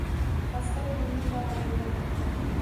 Xasta koʼnglim dogʼlangan